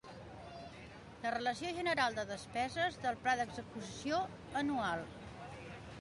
La relació general de despeses del Pla d'execució anual.